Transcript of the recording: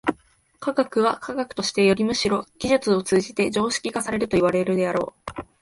科学は科学としてよりむしろ技術を通じて常識化されるといわれるであろう。